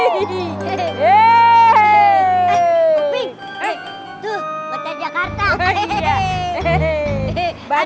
bik tuh kota jakarta